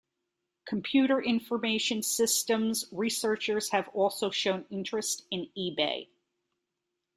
Computer information systems researchers have also shown interest in eBay.